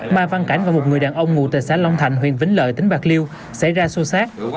mai văn cảnh và một người đàn ông ngụ tại xã long thạnh huyện vĩnh lợi tỉnh bạc liêu xảy ra xô xát